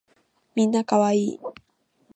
みんな可愛い